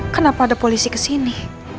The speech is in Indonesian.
kenapa ada polisi kesini